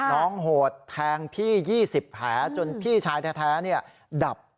น้องโหดแทงพี่๒๐แผลจนพี่ชายแท้เนี่ยดับ